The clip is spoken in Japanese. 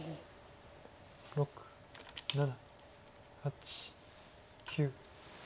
６７８９。